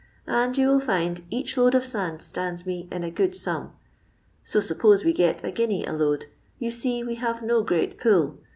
and you will faxi each load of Mnd stands me in a good sum. 8o suppoio we get a guinea a load, you see we hata no great pull.